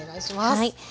はい。